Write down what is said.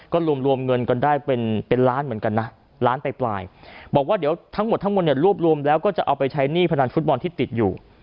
ก็รวมรวมเงินกันได้เป็นเป็นล้านเหมือนกันนะล้านไปปลายบอกว่าเดี๋ยวทั้งหมดทั้งหมดเนี่ยรวบรวมแล้วก็จะเอาไปใช้หนี้พนันฟุตบอลที่ติดอยู่